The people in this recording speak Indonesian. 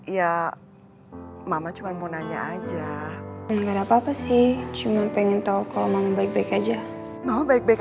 ya mama cuma mau nanya aja mendingan apa apa sih cuman pengen tahu kalau mau baik baik aja mau baik baik aja